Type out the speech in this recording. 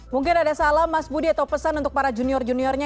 mungkin ada salah mas budi atau pesan untuk para junior juniornya